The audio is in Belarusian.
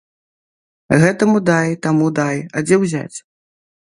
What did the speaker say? Гэтаму дай, таму дай, а дзе ўзяць?